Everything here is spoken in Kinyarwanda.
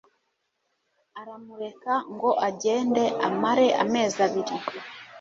aramureka ngo agende amare amezi abiri